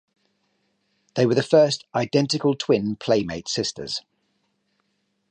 They were the first identical twin Playmate sisters.